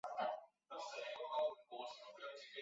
现代处理器大都是乱序执行。